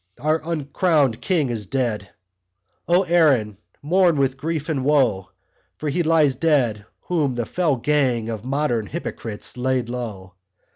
Our Uncrowned King is dead. O, Erin, mourn with grief and woe For he lies dead whom the fell gang Of modern hypocrites laid low.